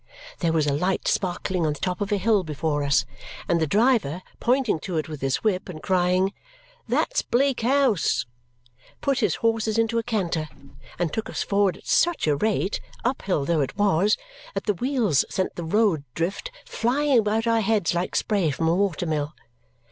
There was a light sparkling on the top of a hill before us, and the driver, pointing to it with his whip and crying, "That's Bleak House!" put his horses into a canter and took us forward at such a rate, uphill though it was, that the wheels sent the road drift flying about our heads like spray from a water mill.